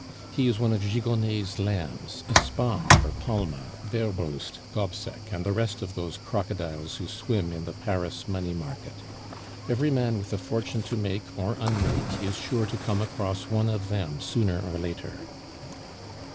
"He is one of Gigonnet's lambs, a spy for Palma, Werbrust, Gobseck, and the rest of those crocodiles who swim in the Paris money market. Every man with a fortune to make, or unmake, is sure to come across one of them sooner or later."